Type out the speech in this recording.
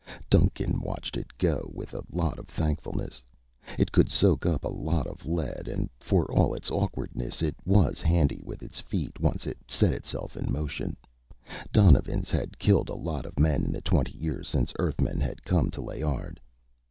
Duncan watched it go with a lot of thankfulness. It could soak up a lot of lead, and for all its awkwardness, it was handy with its feet once it set itself in motion. Donovans had killed a lot of men in the twenty years since Earthmen had come to Layard.